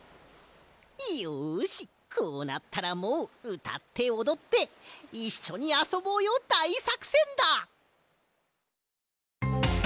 いよしこうなったらもううたっておどっていっしょにあそぼうよだいさくせんだ！